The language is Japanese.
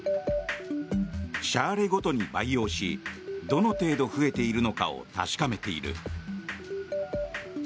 シャーレごとに培養しどの程度、増えているのかを確かめている。